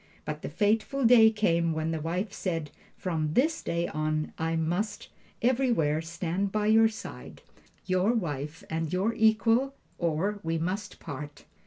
But the fateful day came when the wife said, "From this day on I must everywhere stand by your side, your wife and your equal, or we must part."